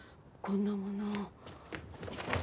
こんなもの。